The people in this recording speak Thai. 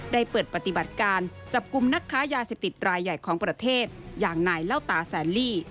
ได้เปิดปฏิบัติการจับกลุ่มนักค้ายาเสพติดรายใหญ่ของประเทศอย่างนายเล่าตาแสนลี่